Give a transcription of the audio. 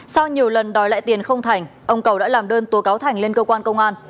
sau nhiều lần đòi lại tiền không thành ông cầu đã làm đơn tố cáo thành lên cơ quan công an